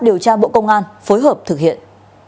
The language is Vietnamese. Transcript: điều tra bộ công an phối hợp thực hiện